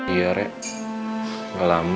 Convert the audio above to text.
iya rek gak lama